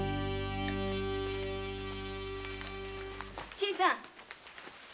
新さん！